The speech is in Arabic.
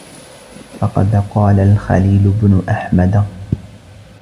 فَقَدْ قَالَ الْخَلِيلُ بْنُ أَحْمَدَ